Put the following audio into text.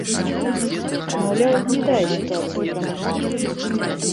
Маўляў, не тая сітуацыя ў грамадстве.